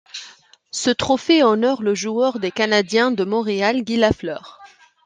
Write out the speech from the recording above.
Ce trophée honore le joueur des Canadiens de Montréal, Guy Lafleur.